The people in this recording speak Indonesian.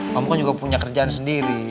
kamu kan juga punya kerjaan sendiri